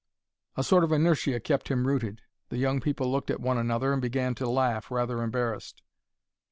A sort of inertia kept him rooted. The young people looked at one another and began to laugh, rather embarrassed.